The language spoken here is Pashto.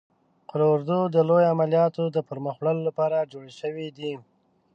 قول اردو د لوی عملیاتو د پرمخ وړلو لپاره جوړ شوی دی.